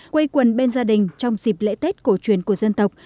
quây quần bên gia đình trong dịp lễ tết cổ truyền của dân tộc